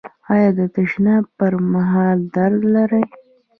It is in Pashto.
ایا د تشناب پر مهال درد لرئ؟